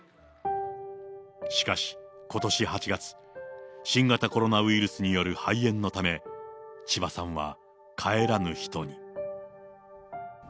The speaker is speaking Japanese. しかし、ことし８月、新型コロナウイルスによる肺炎のため、千葉さんは帰らぬ人に。